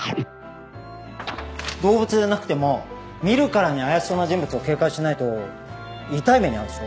動物でなくても見るからに怪しそうな人物を警戒しないと痛い目に遭うでしょ。